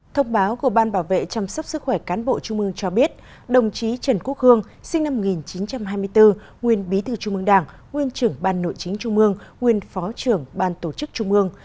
thông báo của ban bảo vệ chăm sóc sức khỏe cán bộ trung ương cho biết đồng chí trần quốc hương sinh năm một nghìn chín trăm hai mươi bốn nguyên bí thư trung mương đảng nguyên trưởng ban nội chính trung mương nguyên phó trưởng ban tổ chức trung ương